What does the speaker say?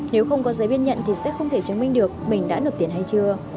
nếu không có giấy biên nhận thì sẽ không thể chứng minh được mình đã nộp tiền hay chưa